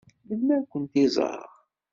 Melmi ad kent-iẓeṛ?